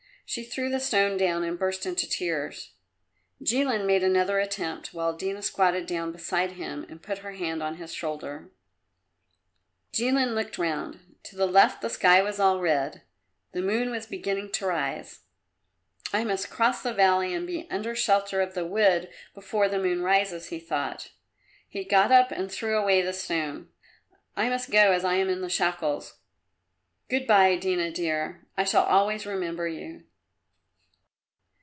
She threw the stone down and burst into tears. Jilin made another attempt, while Dina squatted down beside him and put her hand on his shoulder. Jilin looked round; to the left the sky was all red; the moon was beginning to rise. "I must cross the valley and be under shelter of the wood before the moon rises," he thought. He got up and threw away the stone. "I must go as I am in the shackles. Good bye, Dina, dear; I shall always remember you."